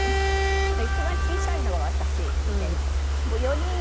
一番小さいのは私です。